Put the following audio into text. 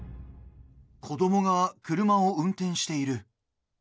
子供が車を運転している。